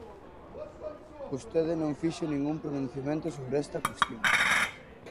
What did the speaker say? Vostede non fixo ningún pronunciamento sobre esta cuestión.